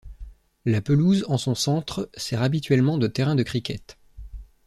La pelouse en son centre sert habituellement de terrain de cricket.